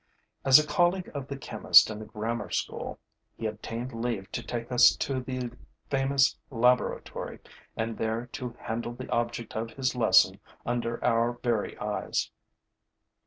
As a colleague of the chemist in the grammar school, he obtained leave to take us to the famous laboratory and there to handle the object of his lesson under our very eyes.